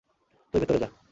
তুই ভেতরে যা।